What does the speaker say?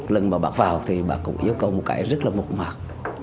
lần mà bạn vào thì bạn cũng yêu cầu một cái rất là mục mạc